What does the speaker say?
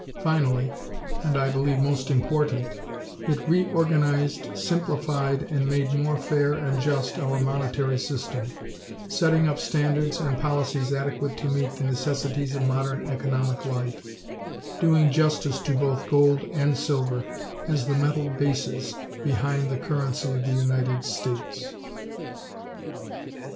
Finally, and I believe most important, it reorganized, simplified and made more fair and just our monetary system, setting up standards and policies adequate to meet the necessities of modern economic life, doing justice to both gold and silver as the metal bases behind the currency of the United States.